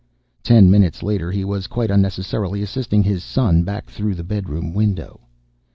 Ten minutes later, he was quite unnecessarily assisting his son back through the bedroom window.